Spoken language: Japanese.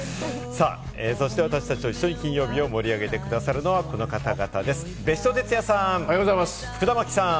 そして私達と一緒に金曜日を盛り上げてくださるのは、この方たちです。